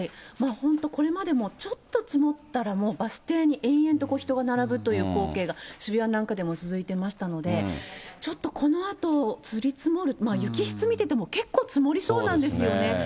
本当これまでもちょっと積もったら、もうバス停に延々と人が並ぶという光景が、渋谷なんかでも続いていましたので、ちょっとこのあと降り積もる、雪質見てても、結構積もりそうなんですよね。